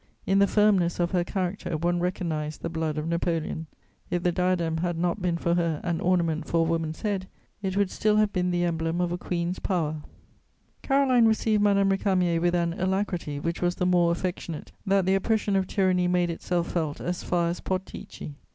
In the firmness of her character one recognised the blood of Napoleon. If the diadem had not been for her an ornament for a woman's head, it would still have been the emblem of a queen's power. [Sidenote: Queen Caroline Murat.] Caroline received Madame Récamier with an alacrity which was the more affectionate that the oppression of tyranny made itself felt as far as Portici.